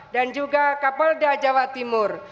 dan juga kapolda jawa timur